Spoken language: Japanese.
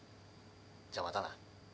じゃあまたな。